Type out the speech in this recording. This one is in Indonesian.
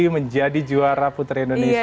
menjadi juara putri indonesia